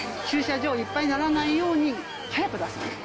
駐車場いっぱいにならないように早く出す。